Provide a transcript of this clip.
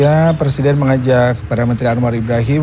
hai hai selanjutnya presiden mengajak para menteri anwar ibrahim